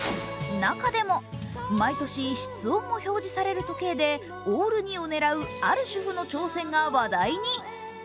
中でも、毎年室温も表示される時計でオール２を狙う、ある主婦の挑戦が話題に。